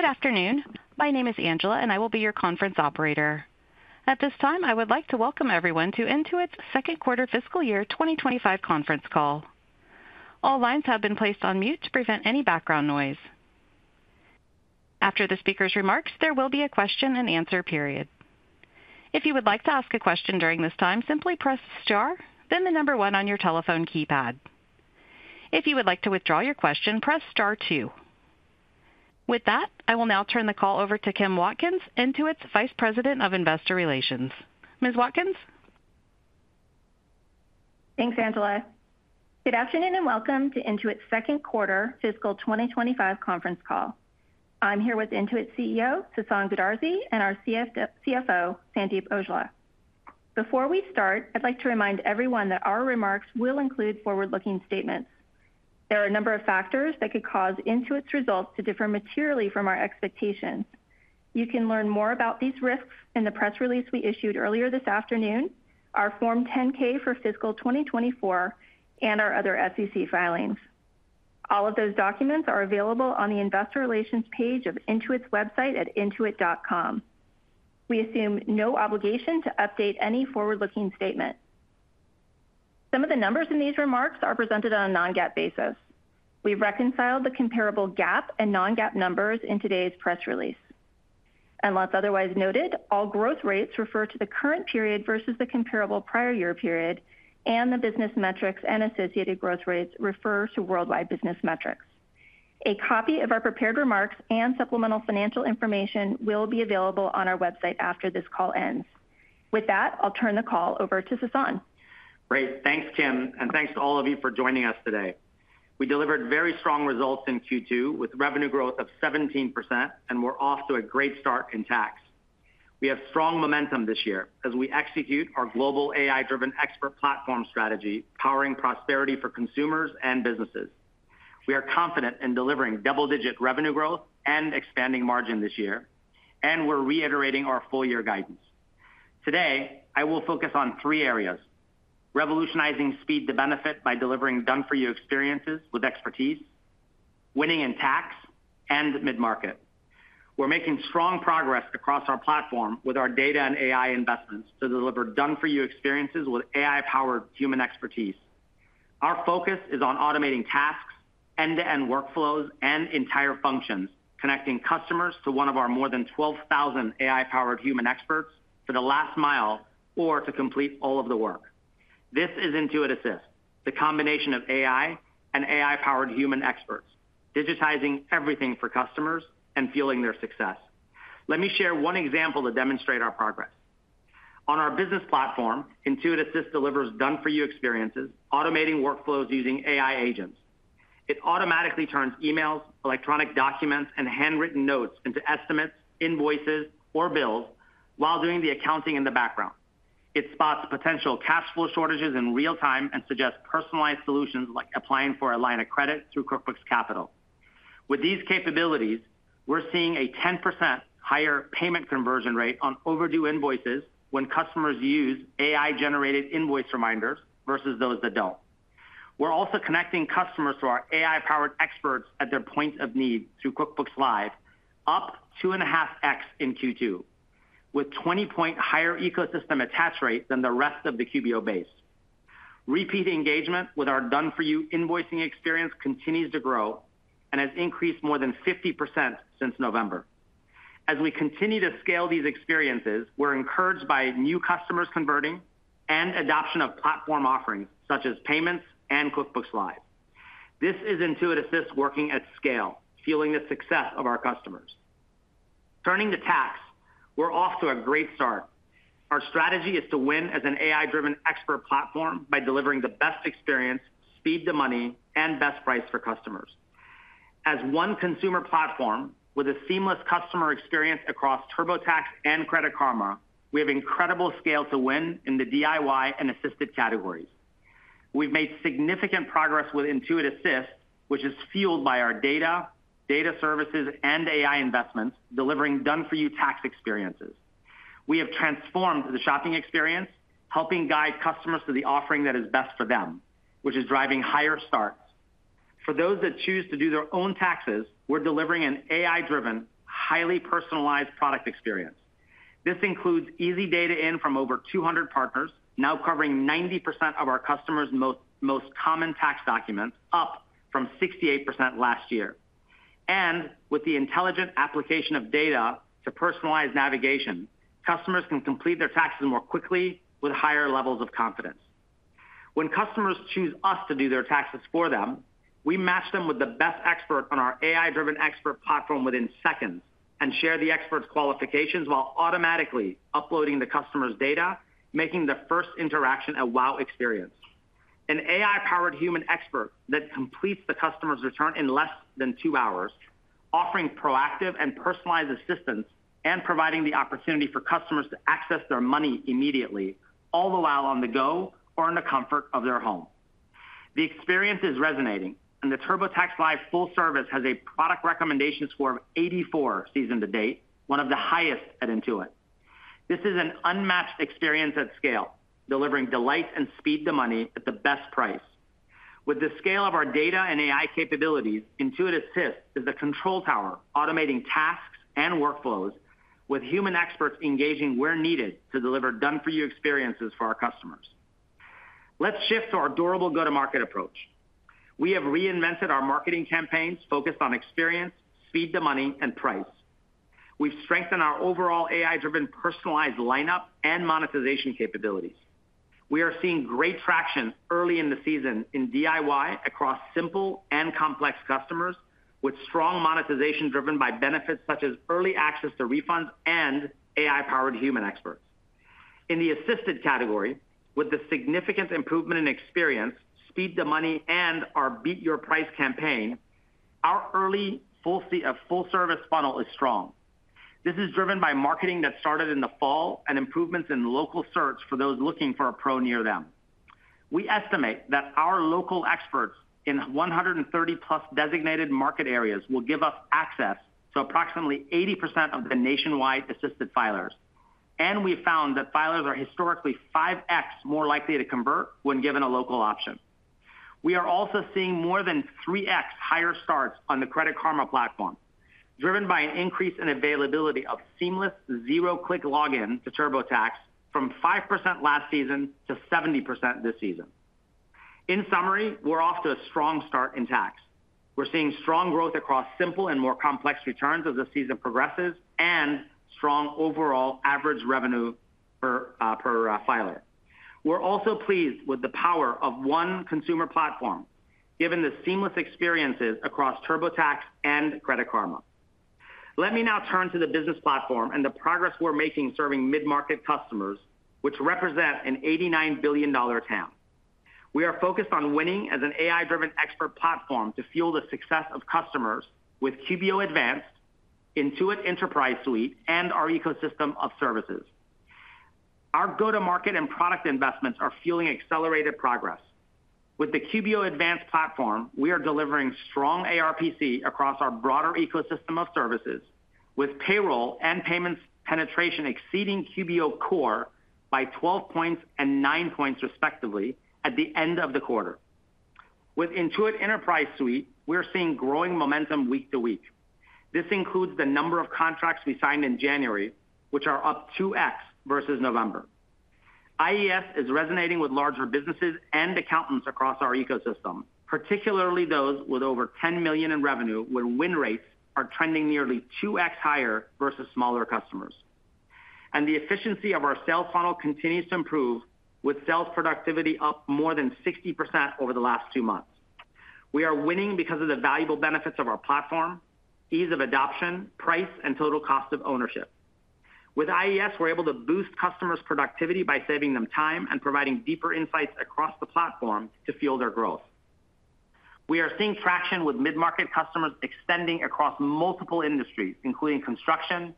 Good afternoon. My name is Angela, and I will be your conference operator. At this time, I would like to welcome everyone to Intuit's second quarter fiscal year 2025 conference call. All lines have been placed on mute to prevent any background noise. After the speaker's remarks, there will be a question and answer period. If you would like to ask a question during this time, simply press star, then the number one on your telephone keypad. If you would like to withdraw your question, press star two. With that, I will now turn the call over to Kim Watkins, Intuit's Vice President of Investor Relations. Ms. Watkins? Thanks, Angela. Good afternoon and welcome to Intuit's second quarter fiscal 2025 conference call. I'm here with Intuit CEO, Sasan Goodarzi, and our CFO, Sandeep Aujla. Before we start, I'd like to remind everyone that our remarks will include forward-looking statements. There are a number of factors that could cause Intuit's results to differ materially from our expectations. You can learn more about these risks in the press release we issued earlier this afternoon, our Form 10-K for fiscal 2024, and our other SEC filings. All of those documents are available on the Investor Relations page of Intuit's website at intuit.com. We assume no obligation to update any forward-looking statement. Some of the numbers in these remarks are presented on a non-GAAP basis. We've reconciled the comparable GAAP and non-GAAP numbers in today's press release. Unless otherwise noted, all growth rates refer to the current period versus the comparable prior year period, and the business metrics and associated growth rates refer to worldwide business metrics. A copy of our prepared remarks and supplemental financial information will be available on our website after this call ends. With that, I'll turn the call over to Sasan. Great. Thanks, Kim, and thanks to all of you for joining us today. We delivered very strong results in Q2 with revenue growth of 17%, and we're off to a great start in tax. We have strong momentum this year as we execute our global AI-driven expert platform strategy, powering prosperity for consumers and businesses. We are confident in delivering double-digit revenue growth and expanding margin this year, and we're reiterating our full-year guidance. Today, I will focus on three areas: revolutionizing speed to benefit by delivering done-for-you experiences with expertise, winning in tax, and mid-market. We're making strong progress across our platform with our data and AI investments to deliver done-for-you experiences with AI-powered human expertise. Our focus is on automating tasks, end-to-end workflows, and entire functions, connecting customers to one of our more than 12,000 AI-powered human experts for the last mile or to complete all of the work. This is Intuit Assist, the combination of AI and AI-powered human experts, digitizing everything for customers and fueling their success. Let me share one example to demonstrate our progress. On our business platform, Intuit Assist delivers done-for-you experiences, automating workflows using AI agents. It automatically turns emails, electronic documents, and handwritten notes into estimates, invoices, or bills while doing the accounting in the background. It spots potential cash flow shortages in real time and suggests personalized solutions like applying for a line of credit through QuickBooks Capital. With these capabilities, we're seeing a 10% higher payment conversion rate on overdue invoices when customers use AI-generated invoice reminders versus those that don't. We're also connecting customers to our AI-powered experts at their points of need through QuickBooks Live, up 2.5x in Q2, with a 20-point higher ecosystem attach rate than the rest of the QBO base. Repeat engagement with our done-for-you invoicing experience continues to grow and has increased more than 50% since November. As we continue to scale these experiences, we're encouraged by new customers converting and adoption of platform offerings such as payments and QuickBooks Live. This is Intuit Assist working at scale, fueling the success of our customers. Turning to tax, we're off to a great start. Our strategy is to win as an AI-driven expert platform by delivering the best experience, speed to money, and best price for customers. As one consumer platform with a seamless customer experience across TurboTax and Credit Karma, we have incredible scale to win in the DIY and assisted categories. We've made significant progress with Intuit Assist, which is fueled by our data, data services, and AI investments delivering done-for-you tax experiences. We have transformed the shopping experience, helping guide customers to the offering that is best for them, which is driving higher starts. For those that choose to do their own taxes, we're delivering an AI-driven, highly personalized product experience. This includes easy data in from over 200 partners, now covering 90% of our customers' most common tax documents, up from 68% last year, and with the intelligent application of data to personalize navigation, customers can complete their taxes more quickly with higher levels of confidence. When customers choose us to do their taxes for them, we match them with the best expert on our AI-driven expert platform within seconds and share the expert's qualifications while automatically uploading the customer's data, making the first interaction a wow experience. An AI-powered human expert that completes the customer's return in less than two hours, offering proactive and personalized assistance and providing the opportunity for customers to access their money immediately, all the while on the go or in the comfort of their home. The experience is resonating, and the TurboTax Live Full Service has a product recommendation score of 84 season-to-date, one of the highest at Intuit. This is an unmatched experience at scale, delivering delight and speed to money at the best price. With the scale of our data and AI capabilities, Intuit Assist is the control tower automating tasks and workflows with human experts engaging where needed to deliver done-for-you experiences for our customers. Let's shift to our durable go-to-market approach. We have reinvented our marketing campaigns focused on experience, speed to money, and price. We've strengthened our overall AI-driven personalized lineup and monetization capabilities. We are seeing great traction early in the season in DIY across simple and complex customers with strong monetization driven by benefits such as early access to refunds and AI-powered human experts. In the assisted category, with the significant improvement in experience, speed to money, and our Beat Your Price campaign, our early Full Service funnel is strong. This is driven by marketing that started in the fall and improvements in local search for those looking for a pro near them. We estimate that our local experts in 130-plus designated market areas will give us access to approximately 80% of the nationwide assisted filers, and we found that filers are historically 5X more likely to convert when given a local option. We are also seeing more than 3X higher starts on the Credit Karma platform, driven by an increase in availability of seamless zero-click login to TurboTax from 5% last season to 70% this season. In summary, we're off to a strong start in tax. We're seeing strong growth across simple and more complex returns as the season progresses and strong overall average revenue per filer. We're also pleased with the power of one consumer platform given the seamless experiences across TurboTax and Credit Karma. Let me now turn to the business platform and the progress we're making serving mid-market customers, which represent an $89 billion TAM. We are focused on winning as an AI-driven expert platform to fuel the success of customers with QBO Advanced, Intuit Enterprise Suite, and our ecosystem of services. Our go-to-market and product investments are fueling accelerated progress. With the QBO Advanced platform, we are delivering strong ARPC across our broader ecosystem of services, with payroll and payments penetration exceeding QBO core by 12 points and 9 points respectively at the end of the quarter. With Intuit Enterprise Suite, we're seeing growing momentum week to week. This includes the number of contracts we signed in January, which are up 2X versus November. IES is resonating with larger businesses and accountants across our ecosystem, particularly those with over 10 million in revenue where win rates are trending nearly 2X higher versus smaller customers. And the efficiency of our sales funnel continues to improve, with sales productivity up more than 60% over the last two months. We are winning because of the valuable benefits of our platform, ease of adoption, price, and total cost of ownership. With IES, we're able to boost customers' productivity by saving them time and providing deeper insights across the platform to fuel their growth. We are seeing traction with mid-market customers extending across multiple industries, including construction,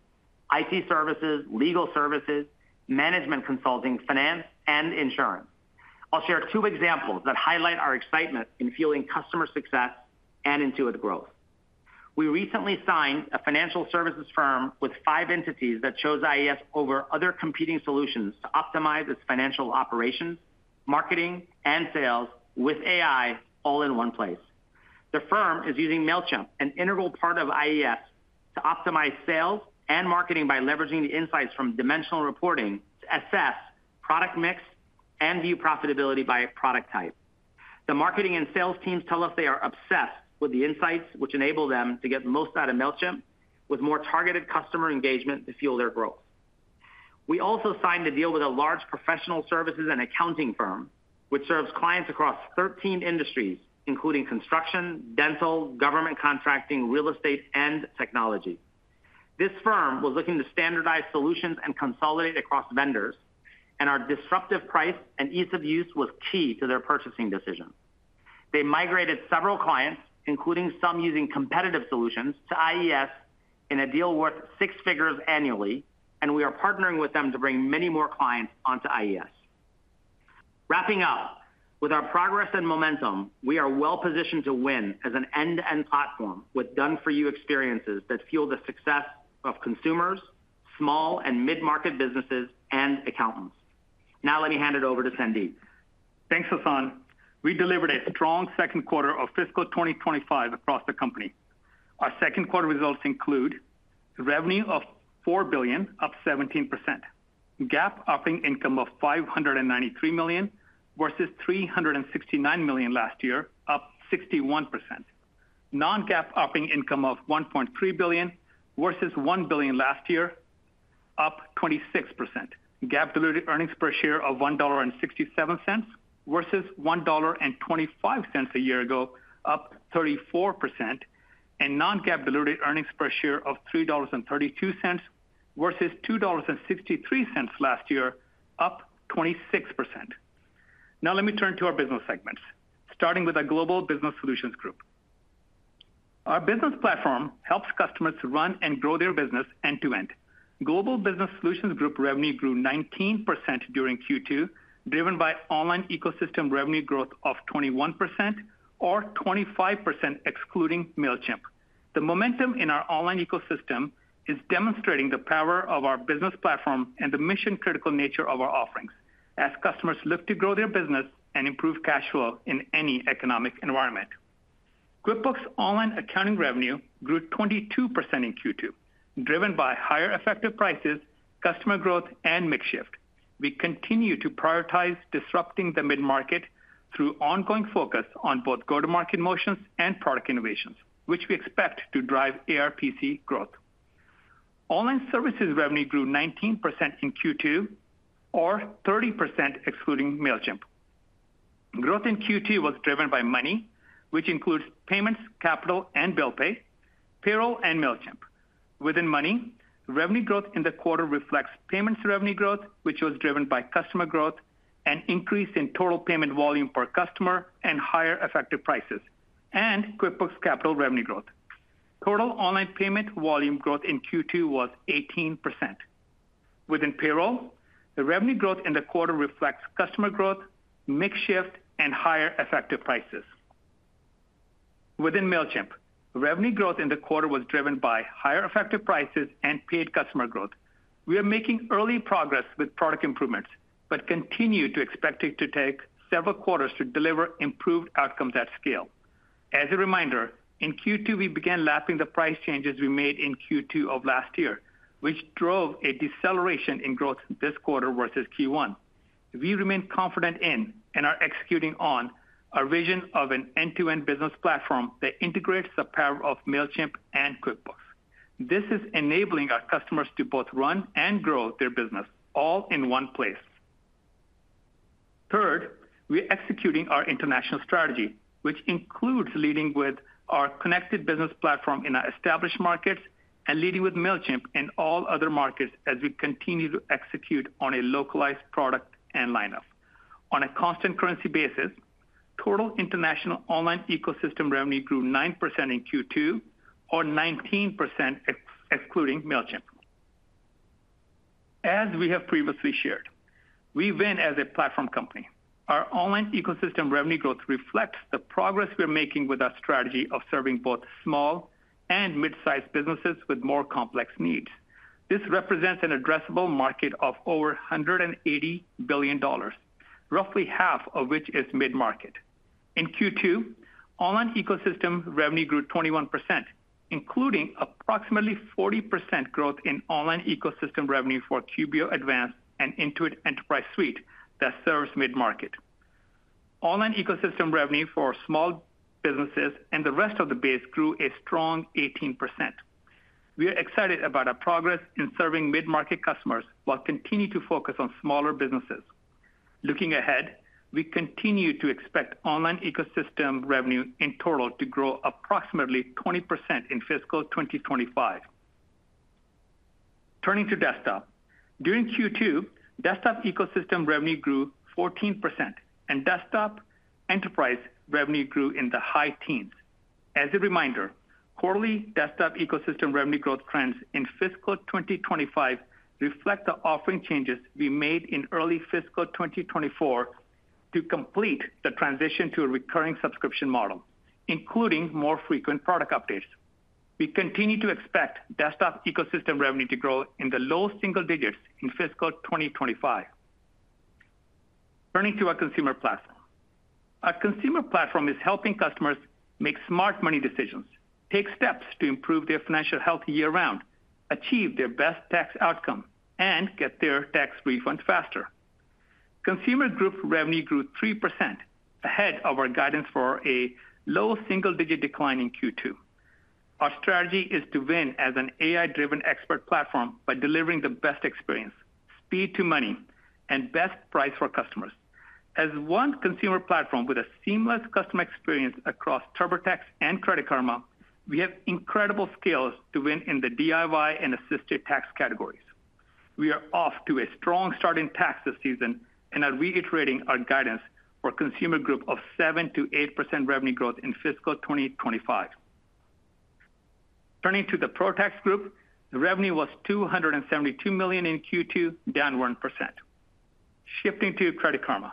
IT services, legal services, management consulting, finance, and insurance. I'll share two examples that highlight our excitement in fueling customer success and Intuit growth. We recently signed a financial services firm with five entities that chose IES over other competing solutions to optimize its financial operations, marketing, and sales with AI all in one place. The firm is using Mailchimp, an integral part of IES, to optimize sales and marketing by leveraging the insights from dimensional reporting to assess product mix and view profitability by product type. The marketing and sales teams tell us they are obsessed with the insights which enable them to get most out of Mailchimp, with more targeted customer engagement to fuel their growth. We also signed a deal with a large professional services and accounting firm, which serves clients across 13 industries, including construction, dental, government contracting, real estate, and technology. This firm was looking to standardize solutions and consolidate across vendors, and our disruptive price and ease of use was key to their purchasing decision. They migrated several clients, including some using competitive solutions, to IES in a deal worth six figures annually, and we are partnering with them to bring many more clients onto IES. Wrapping up, with our progress and momentum, we are well positioned to win as an end-to-end platform with done-for-you experiences that fuel the success of consumers, small and mid-market businesses, and accountants. Now let me hand it over to Sandeep. Thanks, Sasan. We delivered a strong second quarter of fiscal 2025 across the company. Our second quarter results include revenue of $4 billion, up 17%. GAAP operating income of $593 million versus $369 million last year, up 61%. Non-GAAP operating income of $1.3 billion versus $1 billion last year, up 26%. GAAP-diluted earnings per share of $1.67 versus $1.25 a year ago, up 34%, and non-GAAP-diluted earnings per share of $3.32 versus $2.63 last year, up 26%. Now let me turn to our business segments, starting with our Global Business Solutions Group. Our business platform helps customers to run and grow their business end-to-end. Global Business Solutions Group revenue grew 19% during Q2, driven by online ecosystem revenue growth of 21%, or 25% excluding Mailchimp. The momentum in our online ecosystem is demonstrating the power of our business platform and the mission-critical nature of our offerings, as customers look to grow their business and improve cash flow in any economic environment. QuickBooks Online accounting revenue grew 22% in Q2, driven by higher effective prices, customer growth, and mix shift. We continue to prioritize disrupting the mid-market through ongoing focus on both go-to-market motions and product innovations, which we expect to drive ARPC growth. Online services revenue grew 19% in Q2, or 30% excluding Mailchimp. Growth in Q2 was driven by money, which includes payments, capital, and bill pay, payroll, and Mailchimp. Within money, revenue growth in the quarter reflects payments revenue growth, which was driven by customer growth and increase in total payment volume per customer and higher effective prices, and QuickBooks Capital revenue growth. Total online payment volume growth in Q2 was 18%. Within payroll, the revenue growth in the quarter reflects customer growth, mix shift, and higher effective prices. Within Mailchimp, revenue growth in the quarter was driven by higher effective prices and paid customer growth. We are making early progress with product improvements, but continue to expect it to take several quarters to deliver improved outcomes at scale. As a reminder, in Q2, we began lapping the price changes we made in Q2 of last year, which drove a deceleration in growth this quarter versus Q1. We remain confident in and are executing on our vision of an end-to-end business platform that integrates the power of Mailchimp and QuickBooks. This is enabling our customers to both run and grow their business all in one place. Third, we are executing our international strategy, which includes leading with our connected business platform in established markets and leading with Mailchimp in all other markets as we continue to execute on a localized product and lineup. On a constant currency basis, total international online ecosystem revenue grew 9% in Q2, or 19% excluding Mailchimp. As we have previously shared, we win as a platform company. Our online ecosystem revenue growth reflects the progress we're making with our strategy of serving both small and mid-sized businesses with more complex needs. This represents an addressable market of over $180 billion, roughly half of which is mid-market. In Q2, online ecosystem revenue grew 21%, including approximately 40% growth in online ecosystem revenue for QBO Advanced and Intuit Enterprise Suite that serves mid-market. Online ecosystem revenue for small businesses and the rest of the base grew a strong 18%. We are excited about our progress in serving mid-market customers while continuing to focus on smaller businesses. Looking ahead, we continue to expect online ecosystem revenue in total to grow approximately 20% in fiscal 2025. Turning to desktop, during Q2, desktop ecosystem revenue grew 14%, and Desktop Enterprise revenue grew in the high teens. As a reminder, quarterly desktop ecosystem revenue growth trends in fiscal 2025 reflect the offering changes we made in early fiscal 2024 to complete the transition to a recurring subscription model, including more frequent product updates. We continue to expect desktop ecosystem revenue to grow in the low single digits in fiscal 2025. Turning to our consumer platform, our consumer platform is helping customers make smart money decisions, take steps to improve their financial health year-round, achieve their best tax outcome, and get their tax refunds faster. Consumer group revenue grew 3% ahead of our guidance for a low single-digit decline in Q2. Our strategy is to win as an AI-driven expert platform by delivering the best experience, speed to money, and best price for customers. As one consumer platform with a seamless customer experience across TurboTax and Credit Karma, we have incredible skills to win in the DIY and assisted tax categories. We are off to a strong start in tax this season and are reiterating our guidance for Consumer Group of 7%-8% revenue growth in fiscal 2025. Turning to the ProTax Group, the revenue was $272 million in Q2, down 1%. Shifting to Credit Karma,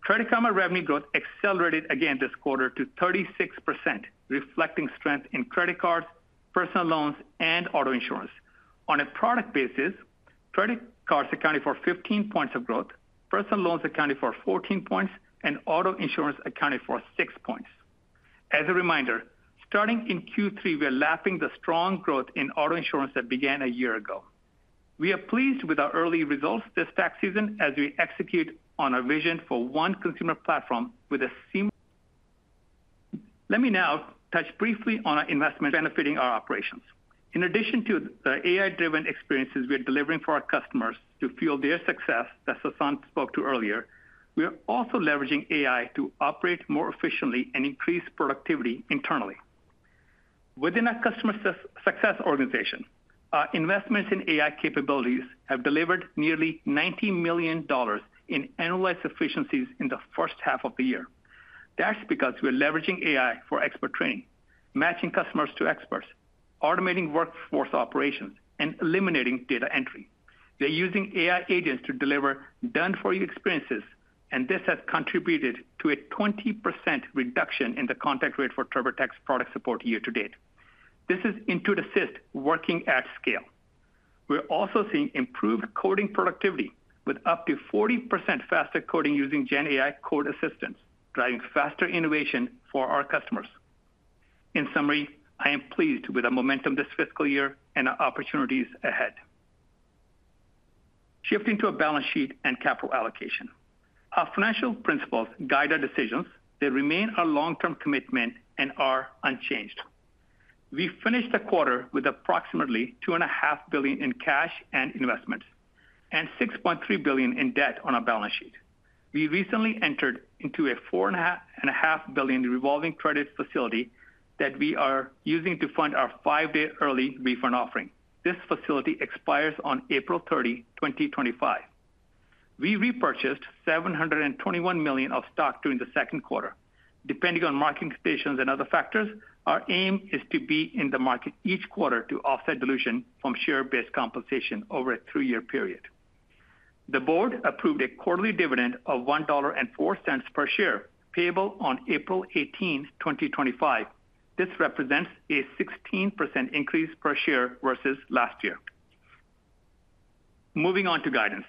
Credit Karma revenue growth accelerated again this quarter to 36%, reflecting strength in credit cards, personal loans, and auto insurance. On a product basis, credit cards accounted for 15 points of growth, personal loans accounted for 14 points, and auto insurance accounted for 6 points. As a reminder, starting in Q3, we are lapping the strong growth in auto insurance that began a year ago. We are pleased with our early results this tax season as we execute on our vision for one consumer platform with a seamless. Let me now touch briefly on our investment benefiting our operations. In addition to the AI-driven experiences we are delivering for our customers to fuel their success that Sasan spoke to earlier, we are also leveraging AI to operate more efficiently and increase productivity internally. Within our customer success organization, our investments in AI capabilities have delivered nearly $90 million in annualized efficiencies in the first half of the year. That's because we are leveraging AI for expert training, matching customers to experts, automating workforce operations, and eliminating data entry. They're using AI agents to deliver done-for-you experiences, and this has contributed to a 20% reduction in the contact rate for TurboTax product support year to date. This is Intuit Assist working at scale. We're also seeing improved coding productivity with up to 40% faster coding using GenAI code assistance, driving faster innovation for our customers. In summary, I am pleased with our momentum this fiscal year and our opportunities ahead. Shifting to a balance sheet and capital allocation, our financial principles guide our decisions. They remain our long-term commitment and are unchanged. We finished the quarter with approximately $2.5 billion in cash and investments and $6.3 billion in debt on our balance sheet. We recently entered into a $4.5 billion revolving credit facility that we are using to fund our five-day early refund offering. This facility expires on April 30, 2025. We repurchased $721 million of stock during the second quarter. Depending on market stations and other factors, our aim is to be in the market each quarter to offset dilution from share-based compensation over a three-year period. The board approved a quarterly dividend of $1.04 per share payable on April 18, 2025. This represents a 16% increase per share versus last year. Moving on to guidance,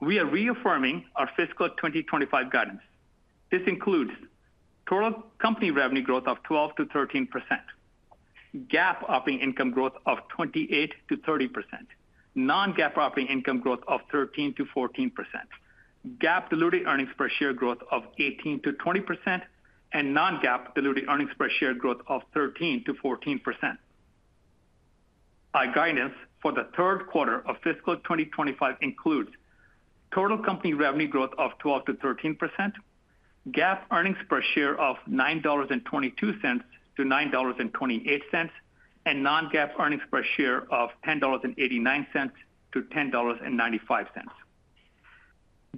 we are reaffirming our fiscal 2025 guidance. This includes total company revenue growth of 12%-13%, GAAP operating income growth of 28%-30%, non-GAAP operating income growth of 13%-14%, GAAP-diluted earnings per share growth of 18%-20%, and non-GAAP-diluted earnings per share growth of 13%-14%. Our guidance for the third quarter of fiscal 2025 includes total company revenue growth of 12% to 13%, GAAP earnings per share of $9.22 to $9.28, and non-GAAP earnings per share of $10.89 to $10.95.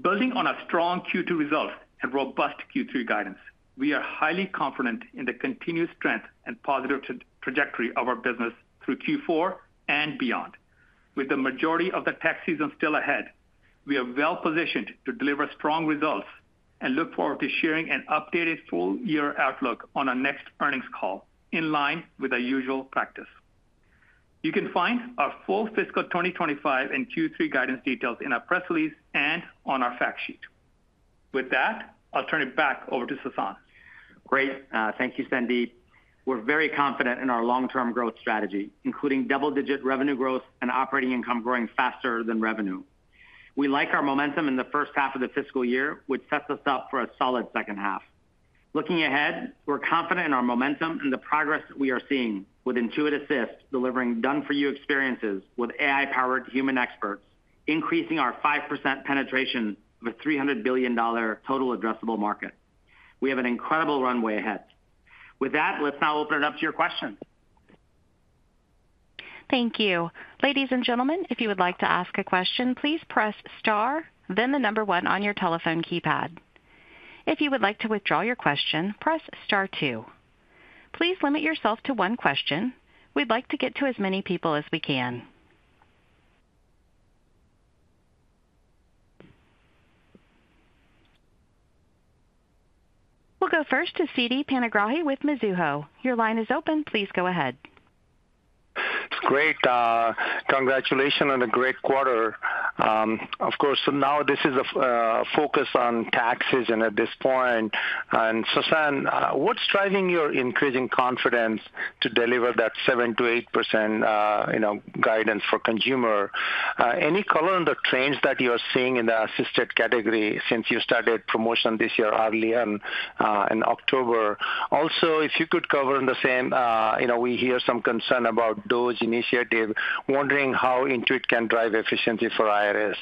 Building on our strong Q2 results and robust Q3 guidance, we are highly confident in the continued strength and positive trajectory of our business through Q4 and beyond. With the majority of the tax season still ahead, we are well positioned to deliver strong results and look forward to sharing an updated full-year outlook on our next earnings call in line with our usual practice. You can find our full fiscal 2025 and Q3 guidance details in our press release and on our fact sheet. With that, I'll turn it back over to Sasan. Great. Thank you, Sandeep. We're very confident in our long-term growth strategy, including double-digit revenue growth and operating income growing faster than revenue. We like our momentum in the first half of the fiscal year, which sets us up for a solid second half. Looking ahead, we're confident in our momentum and the progress we are seeing with Intuit Assist delivering done-for-you experiences with AI-powered human experts, increasing our 5% penetration of a $300 billion total addressable market. We have an incredible runway ahead. With that, let's now open it up to your questions. Thank you. Ladies and gentlemen, if you would like to ask a question, please press Star, then the number one on your telephone keypad. If you would like to withdraw your question, press Star 2. Please limit yourself to one question. We'd like to get to as many people as we can. We'll go first to Siti Panigrahi with Mizuho. Your line is open. Please go ahead. Great. Congratulations on a great quarter. Of course, now this is a focus on taxes at this point. And Sasan, what's driving your increasing confidence to deliver that 7%-8% guidance for consumers? Any color on the trends that you're seeing in the assisted category since you started promotion this year early in October? Also, if you could cover on the same, we hear some concern about DOGE initiative, wondering how Intuit can drive efficiency for IRS?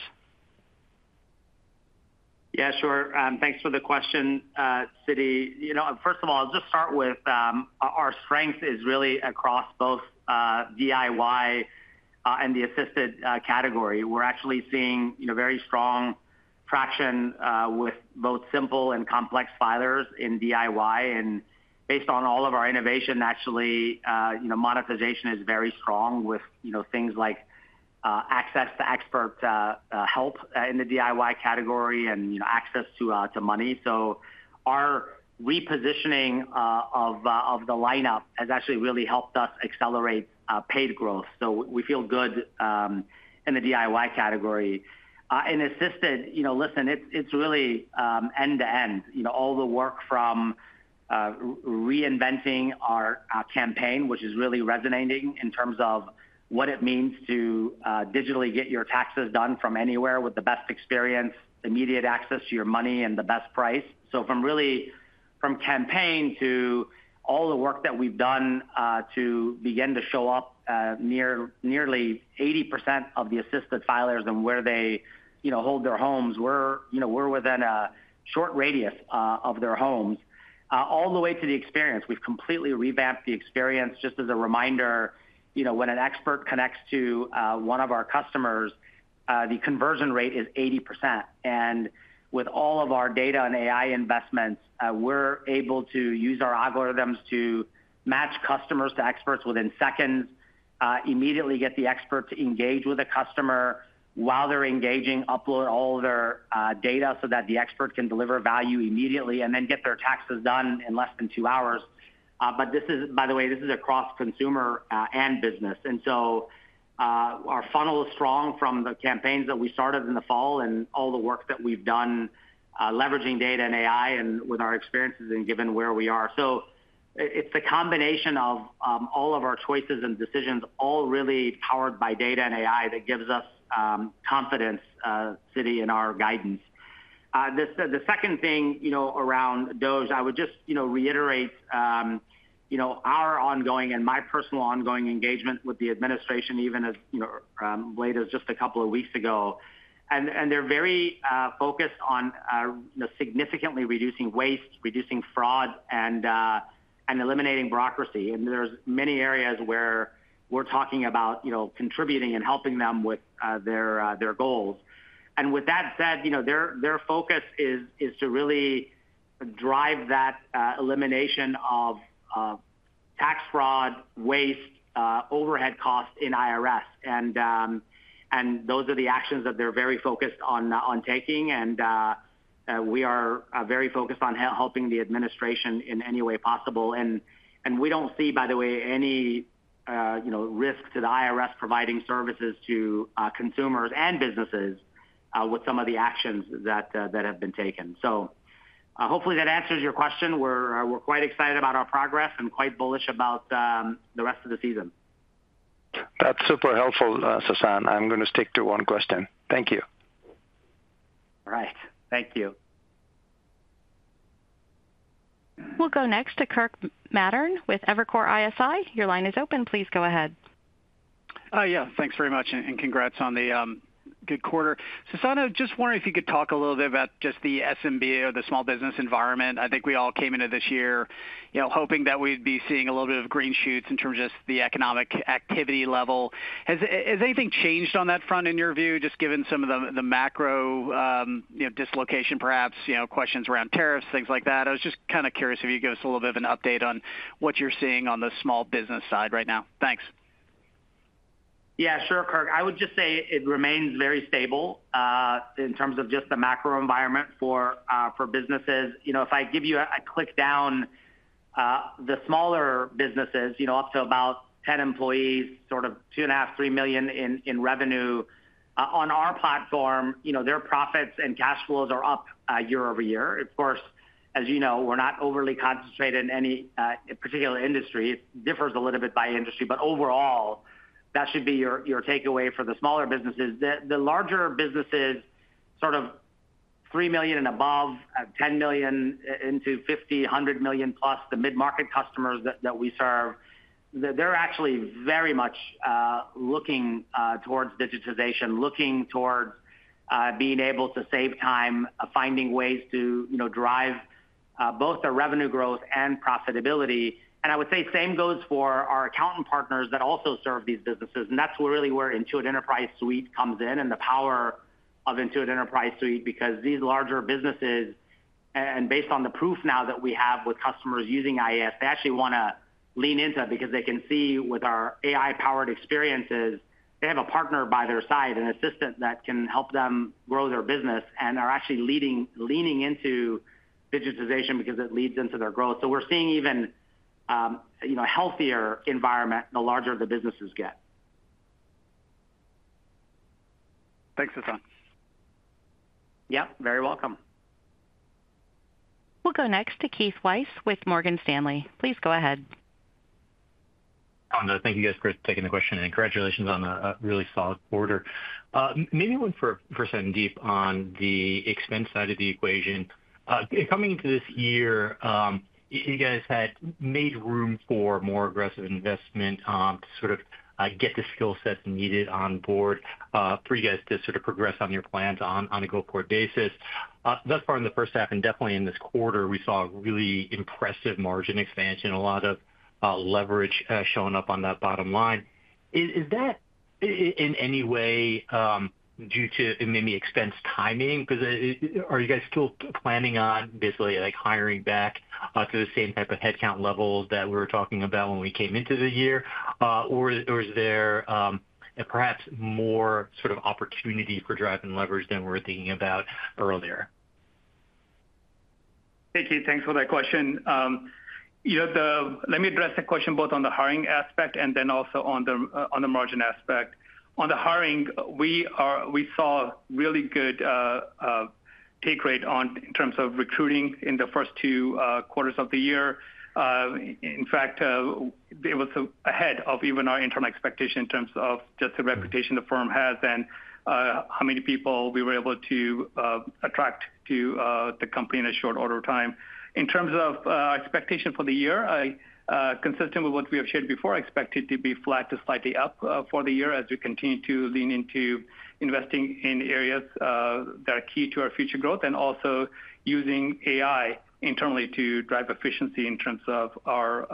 Yeah, sure. Thanks for the question, Siti. First of all, I'll just start with our strength is really across both DIY and the assisted category. We're actually seeing very strong traction with both simple and complex filers in DIY, and based on all of our innovation, actually, monetization is very strong with things like access to expert help in the DIY category and access to money. So our repositioning of the lineup has actually really helped us accelerate paid growth, so we feel good in the DIY category. In assisted, listen, it's really end-to-end. All the work from reinventing our campaign, which is really resonating in terms of what it means to digitally get your taxes done from anywhere with the best experience, immediate access to your money, and the best price. So from campaign to all the work that we've done to begin to show up nearly 80% of the assisted filers and where they hold their homes, we're within a short radius of their homes. All the way to the experience, we've completely revamped the experience. Just as a reminder, when an expert connects to one of our customers, the conversion rate is 80%. And with all of our data and AI investments, we're able to use our algorithms to match customers to experts within seconds, immediately get the expert to engage with a customer while they're engaging, upload all their data so that the expert can deliver value immediately and then get their taxes done in less than two hours. But by the way, this is across consumer and business. And so our funnel is strong from the campaigns that we started in the fall and all the work that we've done leveraging data and AI and with our experiences and given where we are. So it's the combination of all of our choices and decisions, all really powered by data and AI that gives us confidence, Siti, in our guidance. The second thing around DOGE, I would just reiterate our ongoing and my personal ongoing engagement with the administration, even as late as just a couple of weeks ago. And they're very focused on significantly reducing waste, reducing fraud, and eliminating bureaucracy. And there's many areas where we're talking about contributing and helping them with their goals. And with that said, their focus is to really drive that elimination of tax fraud, waste, overhead costs in IRS. And those are the actions that they're very focused on taking. We are very focused on helping the administration in any way possible. We don't see, by the way, any risk to the IRS providing services to consumers and businesses with some of the actions that have been taken. Hopefully that answers your question. We're quite excited about our progress and quite bullish about the rest of the season. That's super helpful, Sasan. I'm going to stick to one question. Thank you. All right. Thank you. We'll go next to Kirk Materne with Evercore ISI. Your line is open. Please go ahead. Yeah, thanks very much. And congrats on the good quarter. Sasan, I was just wondering if you could talk a little bit about just the SMB or the small business environment. I think we all came into this year hoping that we'd be seeing a little bit of green shoots in terms of just the economic activity level. Has anything changed on that front in your view, just given some of the macro dislocation, perhaps questions around tariffs, things like that? I was just kind of curious if you could give us a little bit of an update on what you're seeing on the small business side right now. Thanks. Yeah, sure, Kirk. I would just say it remains very stable in terms of just the macro environment for businesses. If I give you a drill down, the smaller businesses up to about 10 employees, sort of $2.5-3 million in revenue. On our platform, their profits and cash flows are up year over year. Of course, as you know, we're not overly concentrated in any particular industry. It differs a little bit by industry, but overall, that should be your takeaway for the smaller businesses. The larger businesses, sort of $3 million and above, $10 million to $50 million, $100 million plus, the mid-market customers that we serve, they're actually very much looking towards digitization, looking towards being able to save time, finding ways to drive both their revenue growth and profitability. And I would say same goes for our accountant partners that also serve these businesses. And that's really where Intuit Enterprise Suite comes in and the power of Intuit Enterprise Suite, because these larger businesses, and based on the proof now that we have with customers using IES, they actually want to lean into it because they can see with our AI-powered experiences, they have a partner by their side, an assistant that can help them grow their business and are actually leaning into digitization because it leads into their growth. So we're seeing even a healthier environment the larger the businesses get. Thanks, Sasan. Yeah, very welcome. We'll go next to Keith Weiss with Morgan Stanley. Please go ahead. Thank you, guys, for taking the question and congratulations on a really solid quarter. Maybe one for Sandeep on the expense side of the equation. Coming into this year, you guys had made room for more aggressive investment to sort of get the skill sets needed on board for you guys to sort of progress on your plans on a go-forward basis. Thus far in the first half and definitely in this quarter, we saw a really impressive margin expansion, a lot of leverage showing up on that bottom line. Is that in any way due to maybe expense timing? Because are you guys still planning on basically hiring back to the same type of headcount levels that we were talking about when we came into the year? Or is there perhaps more sort of opportunity for driving leverage than we were thinking about earlier? Thank you. Thanks for that question. Let me address the question both on the hiring aspect and then also on the margin aspect. On the hiring, we saw really good take rate in terms of recruiting in the first two quarters of the year. In fact, it was ahead of even our internal expectation in terms of just the reputation the firm has and how many people we were able to attract to the company in a short order of time. In terms of expectation for the year, consistent with what we have shared before, I expect it to be flat to slightly up for the year as we continue to lean into investing in areas that are key to our future growth and also using AI internally to drive efficiency in terms of our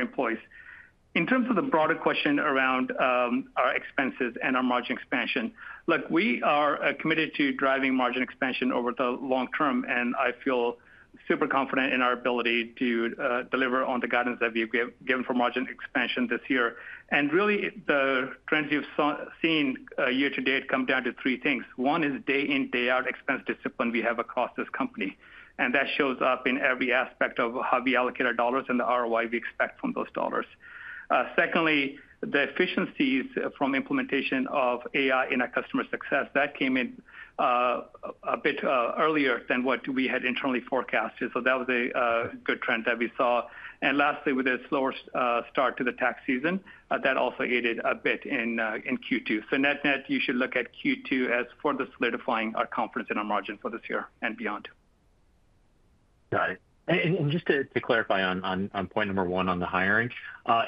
employees. In terms of the broader question around our expenses and our margin expansion, look, we are committed to driving margin expansion over the long term, and I feel super confident in our ability to deliver on the guidance that we have given for margin expansion this year. And really, the trends we have seen year to date come down to three things. One is day in, day out expense discipline we have across this company. And that shows up in every aspect of how we allocate our dollars and the ROI we expect from those dollars. Secondly, the efficiencies from implementation of AI in our customer success. That came in a bit earlier than what we had internally forecasted. So that was a good trend that we saw. And lastly, with the slower start to the tax season, that also aided a bit in Q2. Net net, you should look at Q2 as further solidifying our confidence in our margin for this year and beyond. Got it. And just to clarify on point number one on the hiring,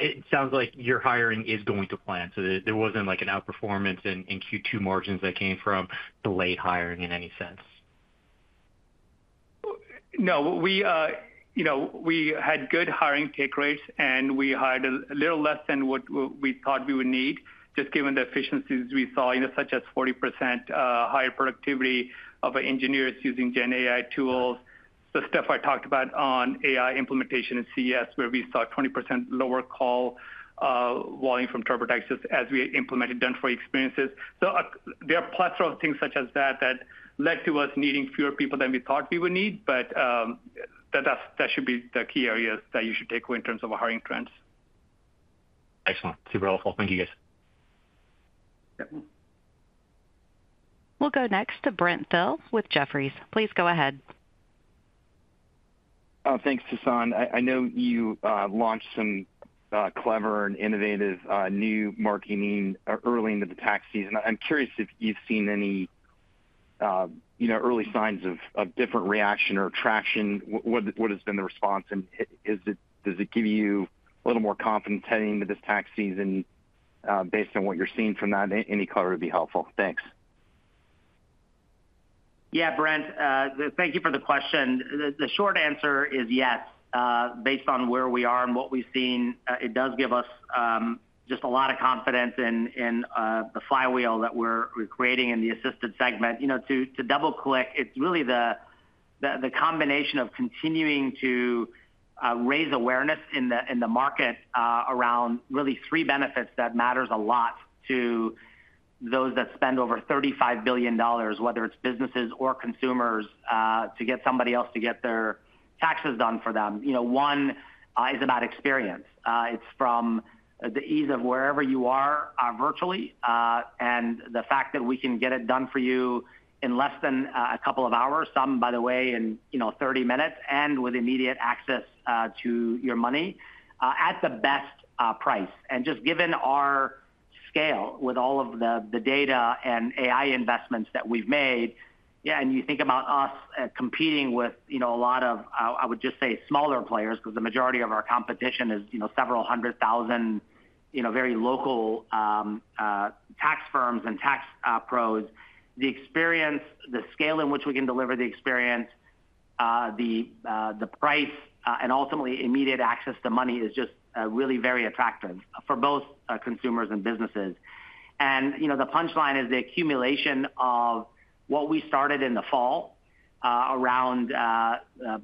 it sounds like your hiring is going to plan. So there wasn't an outperformance in Q2 margins that came from delayed hiring in any sense. No, we had good hiring take rates, and we hired a little less than what we thought we would need, just given the efficiencies we saw, such as 40% higher productivity of engineers using GenAI tools, the stuff I talked about on AI implementation in CS, where we saw 20% lower call volume from TurboTax just as we implemented done-for-you experiences. So there are plethora of things such as that that led to us needing fewer people than we thought we would need, but that should be the key areas that you should take away in terms of our hiring trends. Excellent. Super helpful. Thank you, guys. We'll go next to Brent Thill with Jefferies. Please go ahead. Thanks, Sasan. I know you launched some clever and innovative new marketing early into the tax season. I'm curious if you've seen any early signs of different reaction or traction. What has been the response? And does it give you a little more confidence heading into this tax season based on what you're seeing from that? Any color would be helpful. Thanks. Yeah, Brent, thank you for the question. The short answer is yes. Based on where we are and what we've seen, it does give us just a lot of confidence in the flywheel that we're creating in the assisted segment. To double-click, it's really the combination of continuing to raise awareness in the market around really three benefits that matter a lot to those that spend over $35 billion, whether it's businesses or consumers, to get somebody else to get their taxes done for them. One is about experience. It's from the ease of wherever you are virtually and the fact that we can get it done for you in less than a couple of hours, some, by the way, in 30 minutes, and with immediate access to your money at the best price. And just given our scale with all of the data and AI investments that we've made, and you think about us competing with a lot of, I would just say, smaller players, because the majority of our competition is several hundred thousand very local tax firms and tax pros, the experience, the scale in which we can deliver the experience, the price, and ultimately immediate access to money is just really very attractive for both consumers and businesses. And the punchline is the accumulation of what we started in the fall around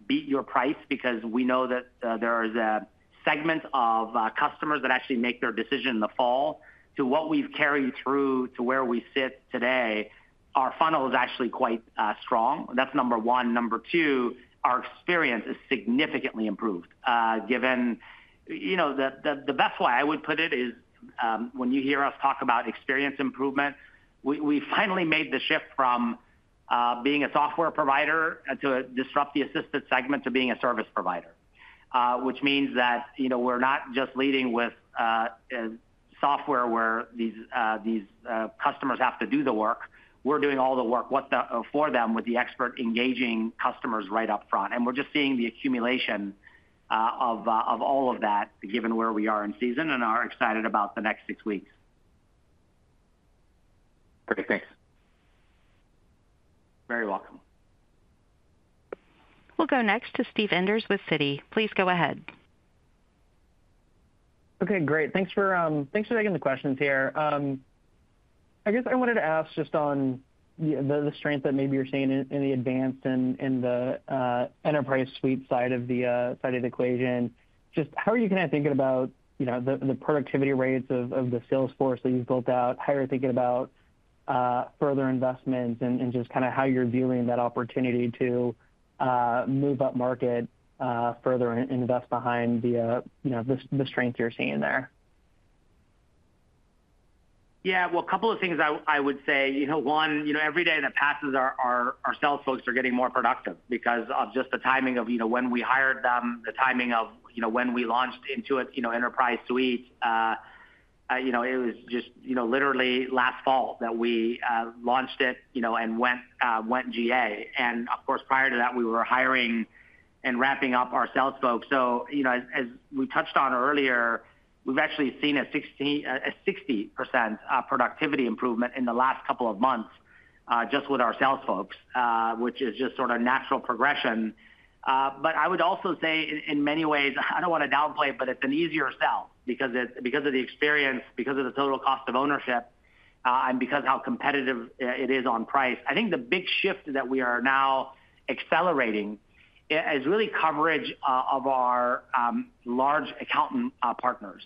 beat your price, because we know that there is a segment of customers that actually make their decision in the fall to what we've carried through to where we sit today. Our funnel is actually quite strong. That's number one. Number two, our experience is significantly improved. The best way I would put it is when you hear us talk about experience improvement, we finally made the shift from being a software provider to disrupt the assisted segment to being a service provider, which means that we're not just leading with software where these customers have to do the work. We're doing all the work for them with the expert engaging customers right up front, and we're just seeing the accumulation of all of that given where we are in season and are excited about the next six weeks. Great. Thanks. Very welcome. We'll go next to Steve Enders with Citi. Please go ahead. Okay, great. Thanks for taking the questions here. I guess I wanted to ask just on the strength that maybe you're seeing in the advanced and the enterprise suite side of the equation, just how are you kind of thinking about the productivity rates of the sales force that you've built out? How are you thinking about further investments and just kind of how you're viewing that opportunity to move up market, further invest behind the strength you're seeing there? Yeah, well, a couple of things I would say. One, every day that passes, our sales folks are getting more productive because of just the timing of when we hired them, the timing of when we launched into it, enterprise suite. It was just literally last fall that we launched it and went GA, and of course, prior to that, we were hiring and wrapping up our sales folks. So as we touched on earlier, we've actually seen a 60% productivity improvement in the last couple of months just with our sales folks, which is just sort of natural progression, but I would also say in many ways, I don't want to downplay, but it's an easier sell because of the experience, because of the total cost of ownership, and because of how competitive it is on price. I think the big shift that we are now accelerating is really coverage of our large accountant partners.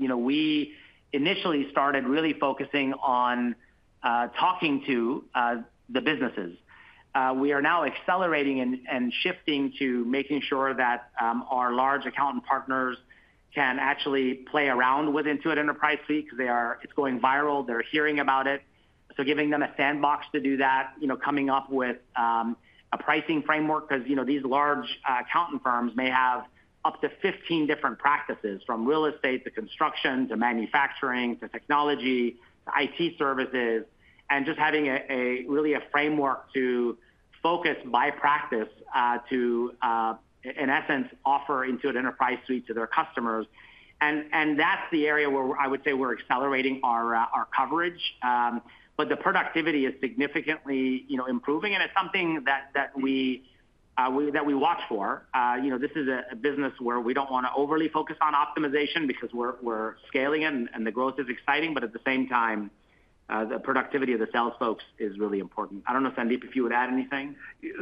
We initially started really focusing on talking to the businesses. We are now accelerating and shifting to making sure that our large accountant partners can actually play around with Intuit Enterprise Suite because it's going viral. They're hearing about it. So giving them a sandbox to do that, coming up with a pricing framework because these large accountant firms may have up to 15 different practices from real estate to construction to manufacturing to technology to IT services, and just having really a framework to focus by practice to, in essence, offer Intuit Enterprise Suite to their customers. And that's the area where I would say we're accelerating our coverage. But the productivity is significantly improving, and it's something that we watch for. This is a business where we don't want to overly focus on optimization because we're scaling it and the growth is exciting, but at the same time, the productivity of the sales folks is really important. I don't know, Sandeep, if you would add anything?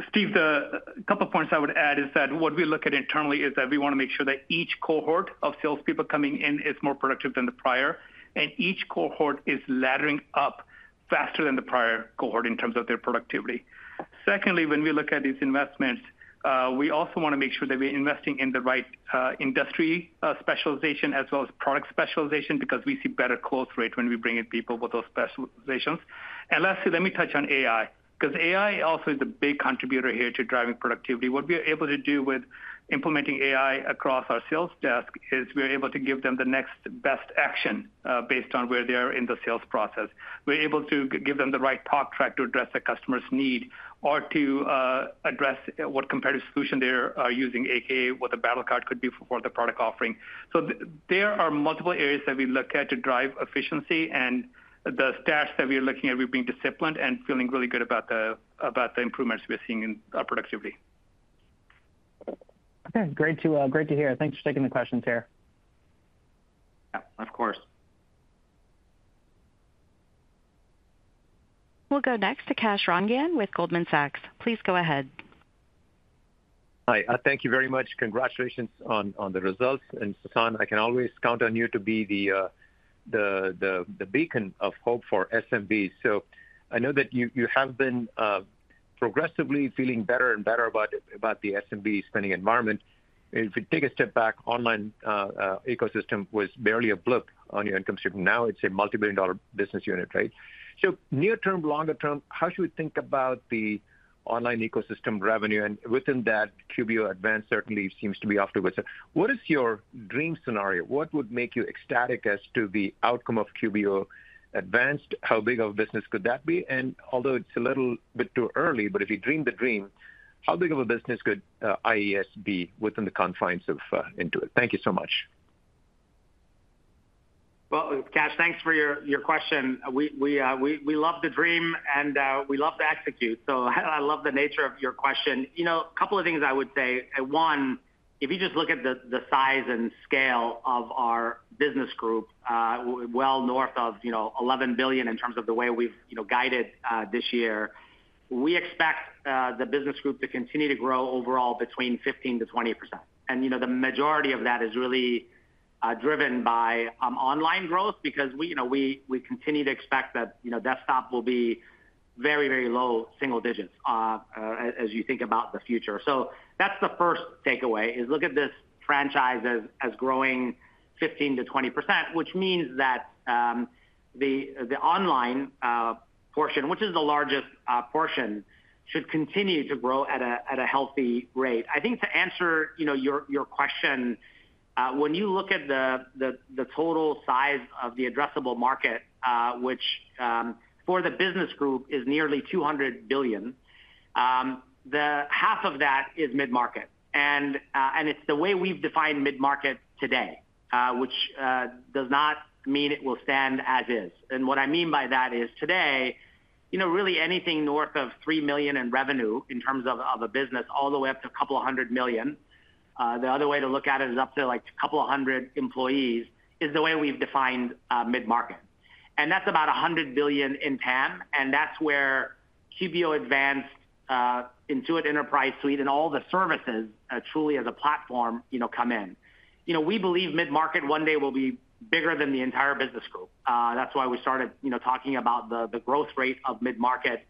Steve, a couple of points I would add is that what we look at internally is that we want to make sure that each cohort of salespeople coming in is more productive than the prior, and each cohort is laddering up faster than the prior cohort in terms of their productivity. Secondly, when we look at these investments, we also want to make sure that we're investing in the right industry specialization as well as product specialization because we see better close rate when we bring in people with those specializations. And lastly, let me touch on AI because AI also is a big contributor here to driving productivity. What we are able to do with implementing AI across our sales desk is we're able to give them the next best action based on where they are in the sales process. We're able to give them the right talk track to address a customer's need or to address what competitive solution they are using, a.k.a. what the battle card could be for the product offering. So there are multiple areas that we look at to drive efficiency and the stats that we are looking at, we're being disciplined and feeling really good about the improvements we're seeing in our productivity. Okay. Great to hear. Thanks for taking the questions here. Yeah, of course. We'll go next to Kash Rangan with Goldman Sachs. Please go ahead. Hi. Thank you very much. Congratulations on the results. And Sasan, I can always count on you to be the beacon of hope for SMB. So I know that you have been progressively feeling better and better about the SMB spending environment. If we take a step back, the online ecosystem was barely a blip on your income stream. Now it's a multi-billion-dollar business unit, right? So near term, longer term, how should we think about the online ecosystem revenue? And within that, QBO Advanced certainly seems to be afterwards. What is your dream scenario? What would make you ecstatic as to the outcome of QBO Advanced? How big of a business could that be? And although it's a little bit too early, but if you dream the dream, how big of a business could IES be within the confines of Intuit? Thank you so much. Kash, thanks for your question. We love to dream and we love to execute. So I love the nature of your question. A couple of things I would say. One, if you just look at the size and scale of our business group, well north of $11 billion in terms of the way we've guided this year, we expect the business group to continue to grow overall between 15%-20%. And the majority of that is really driven by online growth because we continue to expect that desktop will be very, very low single digits as you think about the future. So that's the first takeaway is look at this franchise as growing 15%-20%, which means that the online portion, which is the largest portion, should continue to grow at a healthy rate. I think to answer your question, when you look at the total size of the addressable market, which for the business group is nearly $200 billion, half of that is mid-market, and it's the way we've defined mid-market today, which does not mean it will stand as is, and what I mean by that is today, really anything north of $3 million in revenue in terms of a business all the way up to a couple of hundred million. The other way to look at it is up to a couple of hundred employees is the way we've defined mid-market, and that's about $100 billion in TAM, and that's where QBO Advanced, Intuit Enterprise Suite, and all the services truly as a platform come in. We believe mid-market one day will be bigger than the entire business group. That's why we started talking about the growth rate of mid-market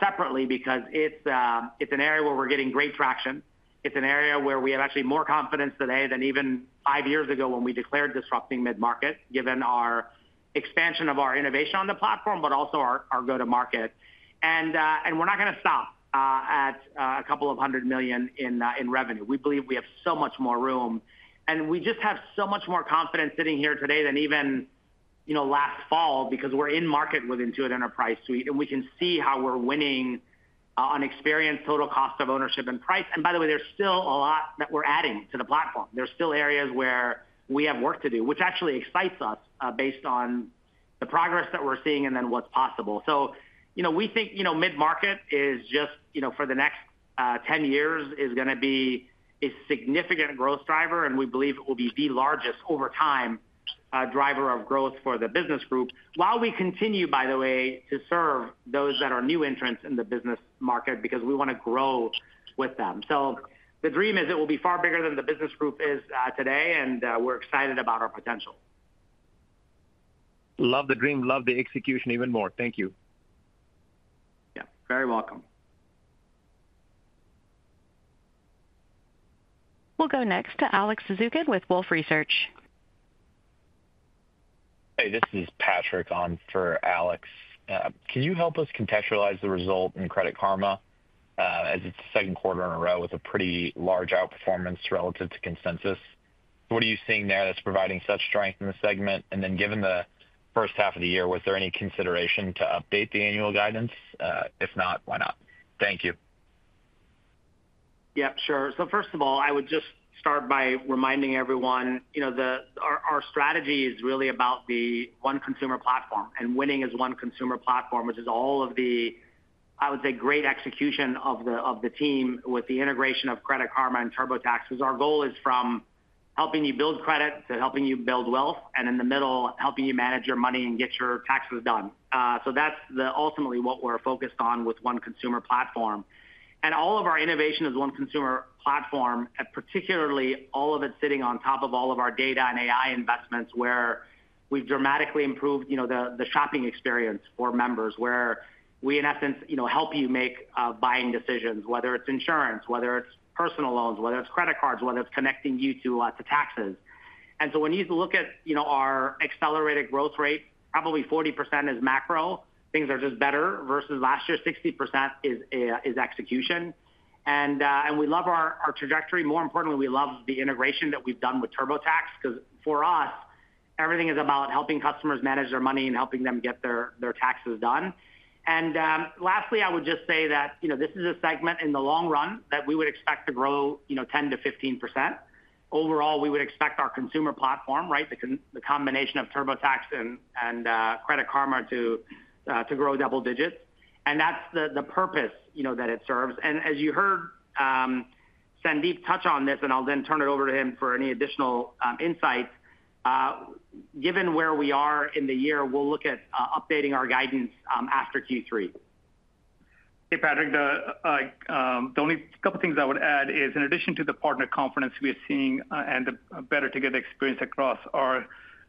separately because it's an area where we're getting great traction. It's an area where we have actually more confidence today than even five years ago when we declared disrupting mid-market, given our expansion of our innovation on the platform, but also our go-to-market. And we're not going to stop at $200 million in revenue. We believe we have so much more room. And we just have so much more confidence sitting here today than even last fall because we're in market with Intuit Enterprise Suite. And we can see how we're winning on experience, total cost of ownership, and price. And by the way, there's still a lot that we're adding to the platform. There's still areas where we have work to do, which actually excites us based on the progress that we're seeing and then what's possible. So we think mid-market is just for the next 10 years is going to be a significant growth driver. And we believe it will be the largest over time driver of growth for the business group while we continue, by the way, to serve those that are new entrants in the business market because we want to grow with them. So the dream is it will be far bigger than the business group is today. And we're excited about our potential. Love the dream. Love the execution even more. Thank you. Yeah, very welcome. We'll go next to Alex Zukin with Wolf Research. Hey, this is Patrick on for Alex. Can you help us contextualize the result in Credit Karma as it's the second quarter in a row with a pretty large outperformance relative to consensus? What are you seeing there that's providing such strength in the segment? And then given the first half of the year, was there any consideration to update the annual guidance? If not, why not? Thank you. Yep, sure. So first of all, I would just start by reminding everyone our strategy is really about the one consumer platform. And winning is one consumer platform, which is all of the, I would say, great execution of the team with the integration of Credit Karma and TurboTax. Our goal is from helping you build credit to helping you build wealth, and in the middle, helping you manage your money and get your taxes done. So that's ultimately what we're focused on with one consumer platform. And all of our innovation is one consumer platform, particularly all of it sitting on top of all of our data and AI investments where we've dramatically improved the shopping experience for members, where we, in essence, help you make buying decisions, whether it's insurance, whether it's personal loans, whether it's credit cards, whether it's connecting you to taxes. And so when you look at our accelerated growth rate, probably 40% is macro. Things are just better versus last year, 60% is execution. And we love our trajectory. More importantly, we love the integration that we've done with TurboTax because for us, everything is about helping customers manage their money and helping them get their taxes done. And lastly, I would just say that this is a segment in the long run that we would expect to grow 10%-15%. Overall, we would expect our consumer platform, right, the combination of TurboTax and Credit Karma to grow double digits. And that's the purpose that it serves. And as you heard Sandeep touch on this, and I'll then turn it over to him for any additional insight. Given where we are in the year, we'll look at updating our guidance after Q3. Hey, Patrick. The only couple of things I would add is in addition to the partner confidence we are seeing and the better-together experience across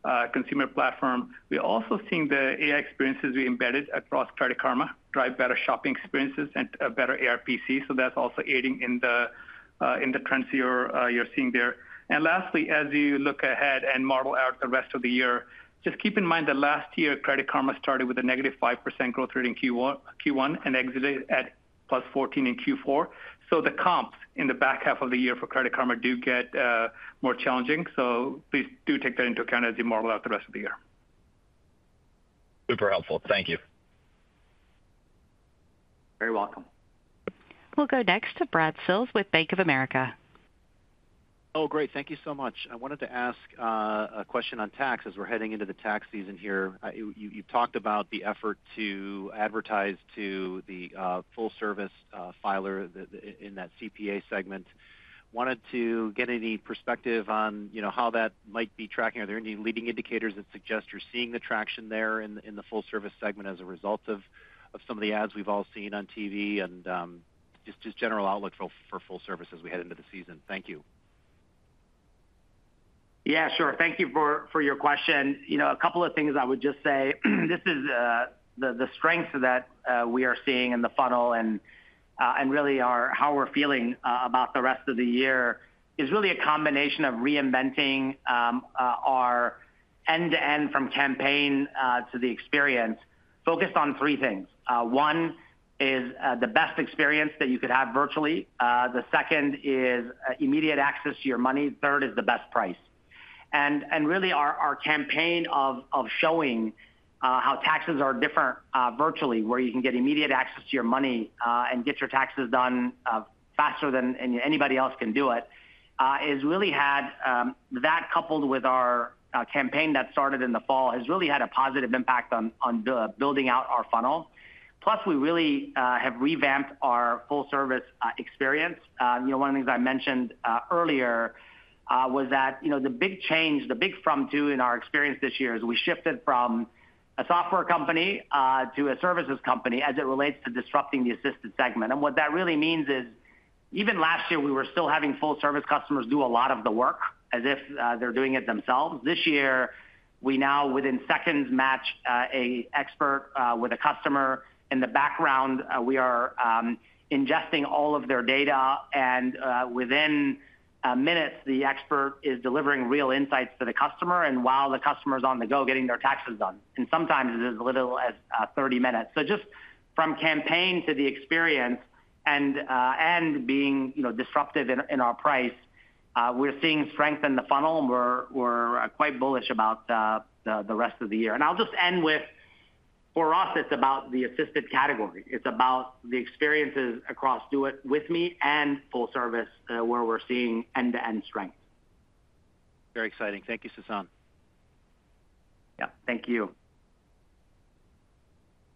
our consumer platform, we're also seeing the AI experiences we embedded across Credit Karma drive better shopping experiences and better ARPC. So that's also aiding in the trends you're seeing there. And lastly, as you look ahead and model out the rest of the year, just keep in mind that last year, Credit Karma started with a negative 5% growth rate in Q1 and exited at plus 14% in Q4. So the comps in the back half of the year for Credit Karma do get more challenging. So please do take that into account as you model out the rest of the year. Super helpful. Thank you. Very welcome. We'll go next to Brad Sills with Bank of America. Oh, great. Thank you so much. I wanted to ask a question on tax as we're heading into the tax season here. You've talked about the effort to advertise to the full-service filer in that CPA segment. Wanted to get any perspective on how that might be tracking. Are there any leading indicators that suggest you're seeing the traction there in the full-service segment as a result of some of the ads we've all seen on TV and just general outlook for full-service as we head into the season? Thank you. Yeah, sure. Thank you for your question. A couple of things I would just say. This is the strength that we are seeing in the funnel and really how we're feeling about the rest of the year is really a combination of reinventing our end-to-end from campaign to the experience focused on three things. One is the best experience that you could have virtually. The second is immediate access to your money. Third is the best price. And really, our campaign of showing how taxes are different virtually, where you can get immediate access to your money and get your taxes done faster than anybody else can do it, has really had that coupled with our campaign that started in the fall has really had a positive impact on building out our funnel. Plus, we really have revamped our full-service experience. One of the things I mentioned earlier was that the big change, the big from-to in our experience this year is we shifted from a software company to a services company as it relates to disrupting the assisted segment, and what that really means is even last year, we were still having full-service customers do a lot of the work as if they're doing it themselves. This year, we now within seconds match an expert with a customer. In the background, we are ingesting all of their data, and within minutes, the expert is delivering real insights to the customer and while the customer is on the go getting their taxes done, and sometimes it is as little as 30 minutes, so just from campaign to the experience and being disruptive in our price, we're seeing strength in the funnel. We're quite bullish about the rest of the year. And I'll just end with, for us, it's about the assisted category. It's about the experiences across Do It With Me and full-service where we're seeing end-to-end strength. Very exciting. Thank you, Sasan. Yeah, thank you.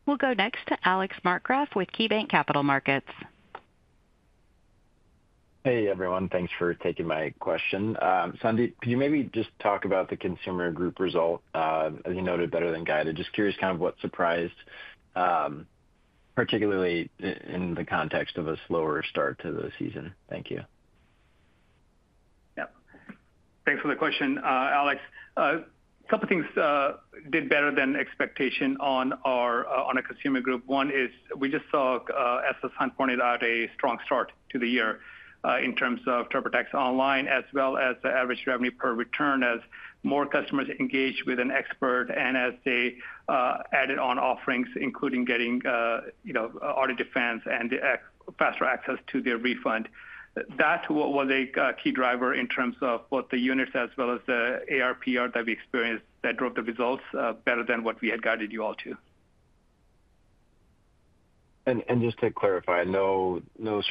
We'll go next to Alex Markgraff with KeyBanc Capital Markets. Hey, everyone. Thanks for taking my question. Sandeep, could you maybe just talk about the consumer group result? As you noted, better than guided. Just curious kind of what surprised, particularly in the context of a slower start to the season. Thank you. Yep. Thanks for the question, Alex. A couple of things did better than expectation on a consumer group. One is we just saw, as Sasan pointed out, a strong start to the year in terms of TurboTax online as well as the average revenue per return as more customers engaged with an expert and as they added on offerings, including getting Audit Defense and faster access to their refund. That was a key driver in terms of both the units as well as the ARPR that we experienced that drove the results better than what we had guided you all to. And just to clarify, no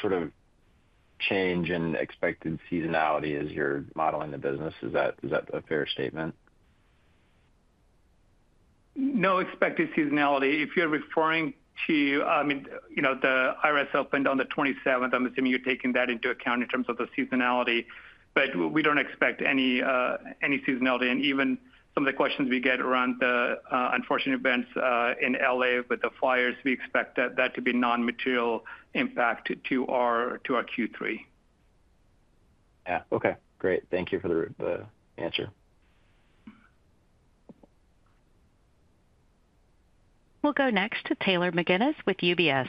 sort of change in expected seasonality as you're modeling the business. Is that a fair statement? No expected seasonality. If you're referring to, I mean, the IRS opened on the 27th. I'm assuming you're taking that into account in terms of the seasonality, but we don't expect any seasonality, and even some of the questions we get around the unfortunate events in LA with the fires, we expect that to be non-material impact to our Q3. Yeah. Okay. Great. Thank you for the answer. We'll go next to Taylor McGinnis with UBS.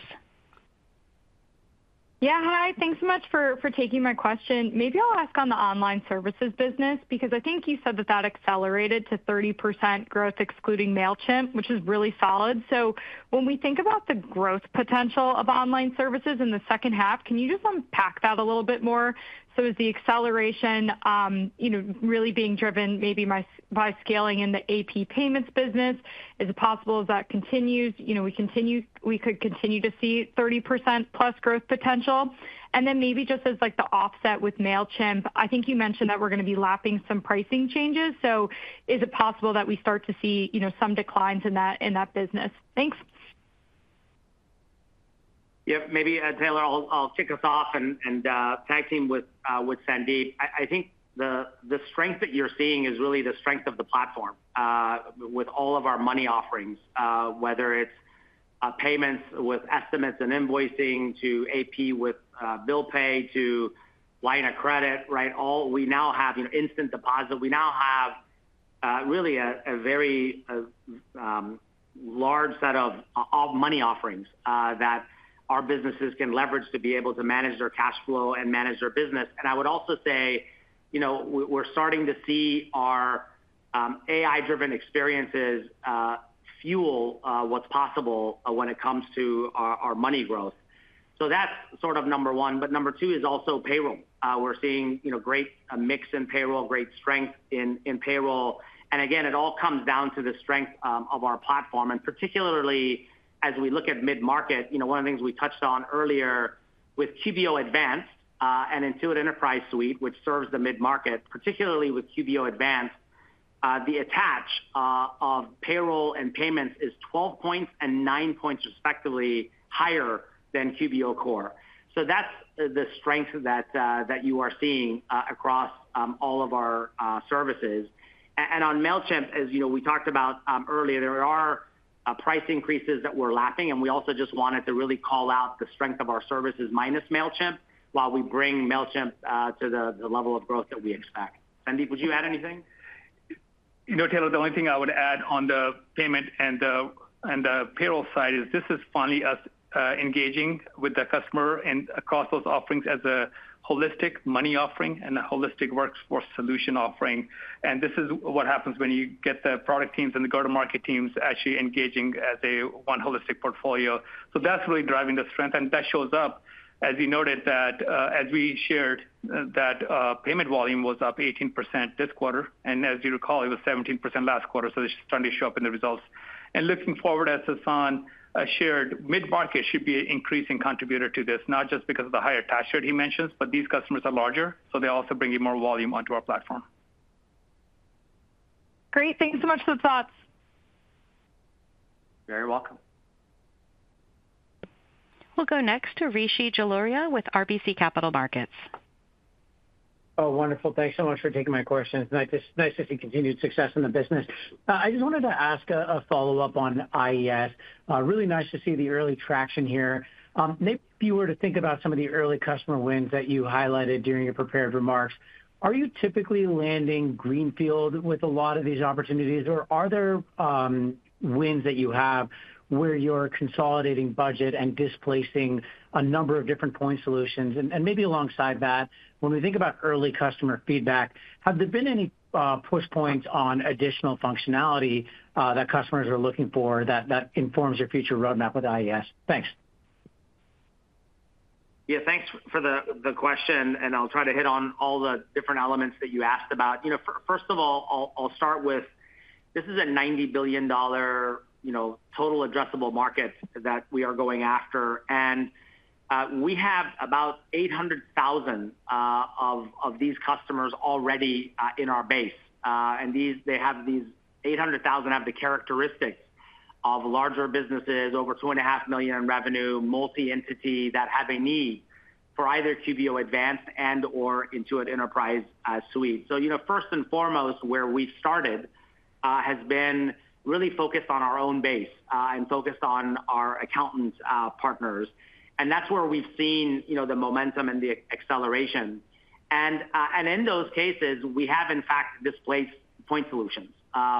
Yeah, hi. Thanks so much for taking my question. Maybe I'll ask on the online services business because I think you said that that accelerated to 30% growth excluding Mailchimp, which is really solid. So when we think about the growth potential of online services in the second half, can you just unpack that a little bit more? So is the acceleration really being driven maybe by scaling in the AP payments business? Is it possible as that continues, we could continue to see 30% plus growth potential? And then maybe just as the offset with Mailchimp, I think you mentioned that we're going to be lapping some pricing changes. So is it possible that we start to see some declines in that business? Thanks. Yep. Maybe, Taylor, I'll kick us off and tag team with Sandeep. I think the strength that you're seeing is really the strength of the platform with all of our money offerings, whether it's payments with estimates and invoicing to AP with Bill Pay to line of credit, right? We now have Instant Deposit. We now have really a very large set of money offerings that our businesses can leverage to be able to manage their cash flow and manage their business. And I would also say we're starting to see our AI-driven experiences fuel what's possible when it comes to our money growth. So that's sort of number one. But number two is also payroll. We're seeing a great mix in payroll, great strength in payroll. And again, it all comes down to the strength of our platform. Particularly as we look at mid-market, one of the things we touched on earlier with QBO Advanced and Intuit Enterprise Suite, which serves the mid-market, particularly with QBO Advanced, the attach of payroll and payments is 12 points and 9 points respectively higher than QBO Core. So that's the strength that you are seeing across all of our services. On Mailchimp, as we talked about earlier, there are price increases that we're lapping. We also just wanted to really call out the strength of our services minus Mailchimp while we bring Mailchimp to the level of growth that we expect. Sandeep, would you add anything? No, Taylor. The only thing I would add on the payment and the payroll side is this is finally us engaging with the customer and across those offerings as a holistic money offering and a holistic workforce solution offering. And this is what happens when you get the product teams and the go-to-market teams actually engaging as a one holistic portfolio. So that's really driving the strength. And that shows up, as you noted, that as we shared, that payment volume was up 18% this quarter. And as you recall, it was 17% last quarter. So this is starting to show up in the results. And looking forward, as Sasan shared, mid-market should be an increasing contributor to this, not just because of the higher tax rate he mentions, but these customers are larger, so they're also bringing more volume onto our platform. Great. Thanks so much for the thoughts. Very welcome. We'll go next to Rishi Jaluria with RBC Capital Markets. Oh, wonderful. Thanks so much for taking my questions. Nice to see continued success in the business. I just wanted to ask a follow-up on IES. Really nice to see the early traction here. Maybe if you were to think about some of the early customer wins that you highlighted during your prepared remarks, are you typically landing greenfield with a lot of these opportunities, or are there wins that you have where you're consolidating budget and displacing a number of different point solutions? And maybe alongside that, when we think about early customer feedback, have there been any push points on additional functionality that customers are looking for that informs your future roadmap with IES? Thanks. Yeah, thanks for the question. And I'll try to hit on all the different elements that you asked about. First of all, I'll start with this is a $90 billion total addressable market that we are going after. And we have about 800,000 of these customers already in our base. And they have these 800,000 have the characteristics of larger businesses, over 2.5 million in revenue, multi-entity that have a need for either QBO Advanced and/or Intuit Enterprise Suite. So first and foremost, where we've started has been really focused on our own base and focused on our accountant partners. And that's where we've seen the momentum and the acceleration. And in those cases, we have in fact displaced point solutions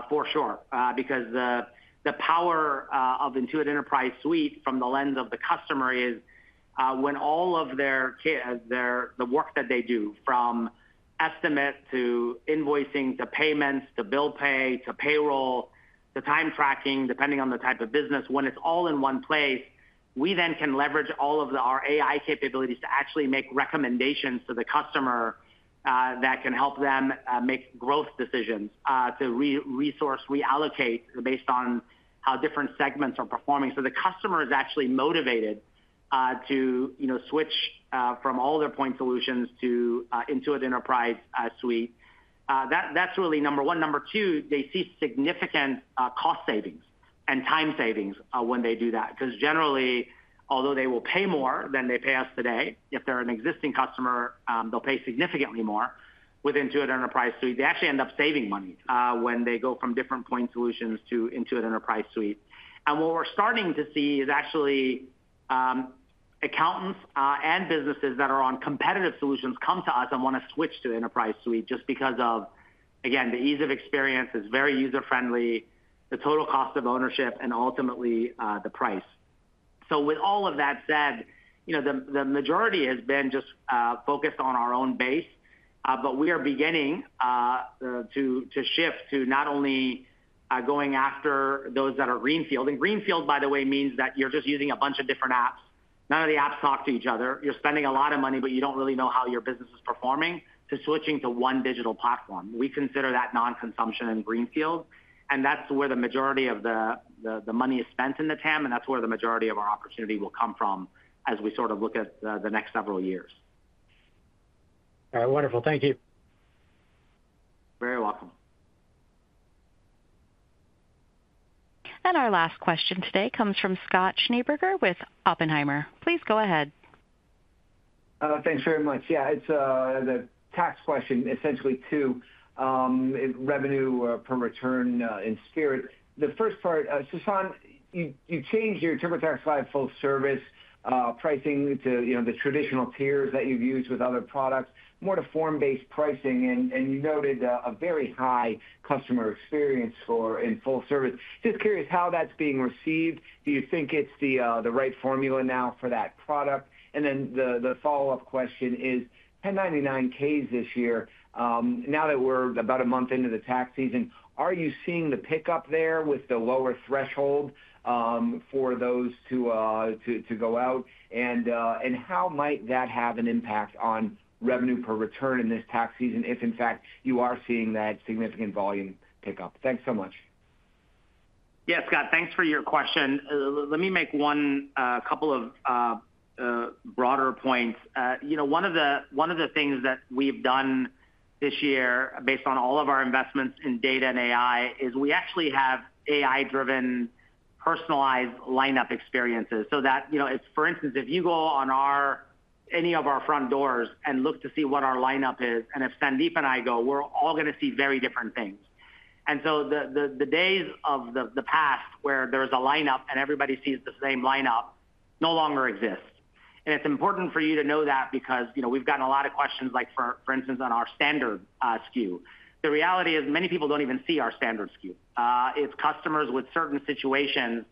for sure because the power of Intuit Enterprise Suite from the lens of the customer is when all of the work that they do from estimate to invoicing to payments to bill pay to payroll to time tracking, depending on the type of business, when it's all in one place. We then can leverage all of our AI capabilities to actually make recommendations to the customer that can help them make growth decisions to resource, reallocate based on how different segments are performing. So the customer is actually motivated to switch from all their point solutions to Intuit Enterprise Suite. That's really number one. Number two, they see significant cost savings and time savings when they do that because generally, although they will pay more than they pay us today, if they're an existing customer, they'll pay significantly more with Intuit Enterprise Suite. They actually end up saving money when they go from different point solutions to Intuit Enterprise Suite, and what we're starting to see is actually accountants and businesses that are on competitive solutions come to us and want to switch to Enterprise Suite just because of, again, the ease of experience, it's very user-friendly, the total cost of ownership, and ultimately the price, so with all of that said, the majority has been just focused on our own base, but we are beginning to shift to not only going after those that are greenfield, and greenfield, by the way, means that you're just using a bunch of different apps. None of the apps talk to each other. You're spending a lot of money, but you don't really know how your business is performing, too, switching to one digital platform. We consider that non-consumption and greenfield. And that's where the majority of the money is spent in the TAM. And that's where the majority of our opportunity will come from as we sort of look at the next several years. All right. Wonderful. Thank you. Very welcome. And our last question today comes from Scott Schneeberger with Oppenheimer. Please go ahead. Thanks very much. Yeah, it's a tax question essentially to revenue per return in spirit. The first part, Sasan, you changed your TurboTax Live Full Service pricing to the traditional tiers that you've used with other products, more to form-based pricing. And you noted a very high customer experience score in Full Service. Just curious how that's being received. Do you think it's the right formula now for that product? And then the follow-up question is, 1099-Ks this year, now that we're about a month into the tax season, are you seeing the pickup there with the lower threshold for those to go out? And how might that have an impact on revenue per return in this tax season if in fact you are seeing that significant volume pickup? Thanks so much. Yeah, Scott, thanks for your question. Let me make one couple of broader points. One of the things that we've done this year based on all of our investments in data and AI is we actually have AI-driven personalized lineup experiences. So that, for instance, if you go on any of our front doors and look to see what our lineup is, and if Sandeep and I go, we're all going to see very different things. And so the days of the past where there was a lineup and everybody sees the same lineup no longer exists. And it's important for you to know that because we've gotten a lot of questions, like for instance, on our standard SKU. The reality is many people don't even see our standard SKU. It's customers with certain situations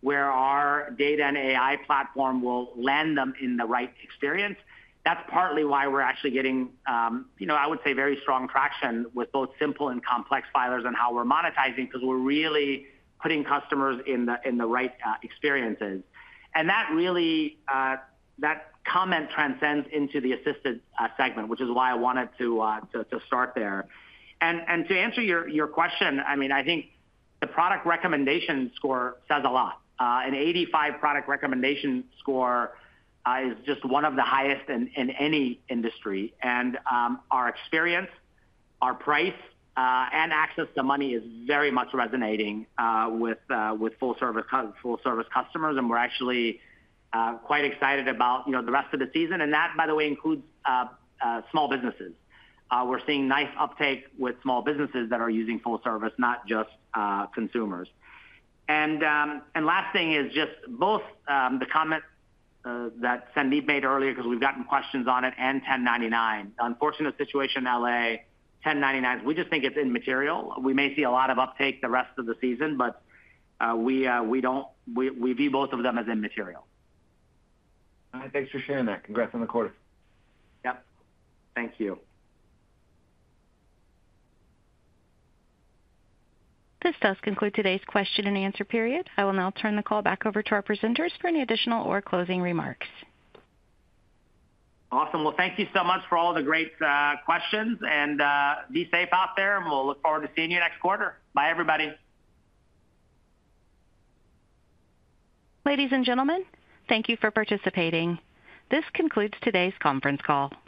where our data and AI platform will land them in the right experience. That's partly why we're actually getting, I would say, very strong traction with both simple and complex filers and how we're monetizing because we're really putting customers in the right experiences, and that comment transcends into the assisted segment, which is why I wanted to start there, and to answer your question, I mean, I think the product recommendation score says a lot. An 85 product recommendation score is just one of the highest in any industry, and our experience, our price, and access to money is very much resonating with full-service customers, and we're actually quite excited about the rest of the season, and that, by the way, includes small businesses. We're seeing nice uptake with small businesses that are using full-service, not just consumers, and last thing is just both the comment that Sandeep made earlier because we've gotten questions on it and 1099. Unfortunate situation in LA, 1099s. We just think it's immaterial. We may see a lot of uptake the rest of the season, but we view both of them as immaterial. All right. Thanks for sharing that. Congrats on the quarter. Yep. Thank you. This does conclude today's question and answer period. I will now turn the call back over to our presenters for any additional or closing remarks. Awesome. Well, thank you so much for all the great questions. And be safe out there. And we'll look forward to seeing you next quarter. Bye, everybody. Ladies and gentlemen, thank you for participating. This concludes today's conference call.